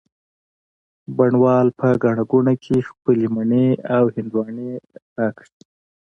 بڼ وال په ګڼه ګوڼه کي خپلې مڼې او هندواڼې را کړې